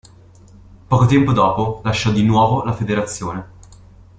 Poco tempo dopo lasciò di nuovo la federazione.